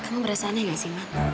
aman kamu berasa aneh gak sih man